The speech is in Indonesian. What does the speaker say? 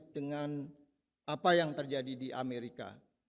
dengan apa yang terjadi di amerika